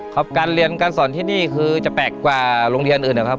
ครับการเรียนการสอนที่นี่คือจะแปลกกว่าโรงเรียนอื่นนะครับ